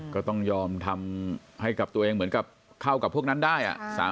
ก็ต้องยอมทำให้กับตัวเองเหมือนกับเข้ากับพวกนั้นได้